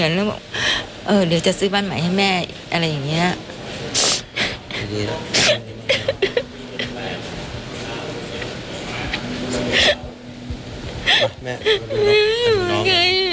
เอาอินถือว่าเหมือนเป็นเด็กที่แข็งแรง